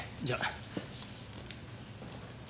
じゃあ。